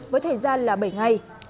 với thời gian là bảy ngày